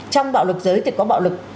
trong bạo lực giới thì có bạo lực